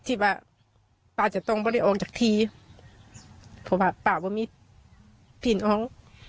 ที่ว่าป้าจะต้องบริออกจากทีเพราะว่าป้าไม่มีผิดออก